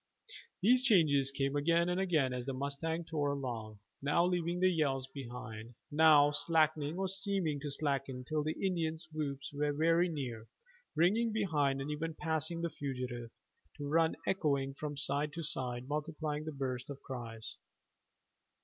These changes came again and again as the mustang tore along, now leaving the yells behind, now slackening or seeming to slacken, till the Indians' whoops were very near, ringing behind and even passing the fugitive, to run echoing from side to side multiplying the burst of cries.